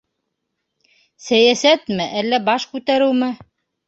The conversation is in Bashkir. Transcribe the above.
Сәйәсәтме, әллә баш күтәреүме?